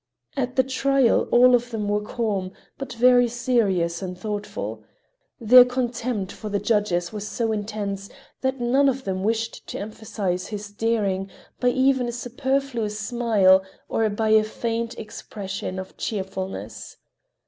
At the trial all of them were calm, but very serious and thoughtful. Their contempt for the judges was so intense that none of them wished to emphasize his daring by even a superfluous smile or by a feigned expression of cheerfulness.